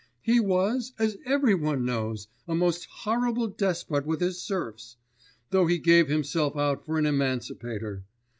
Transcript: He was, as every one knows, a most horrible despot with his serfs, though he gave himself out for an emancipator.